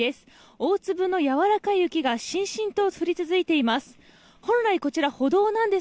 大粒のやわらかい雪がしんしんと降り続いています。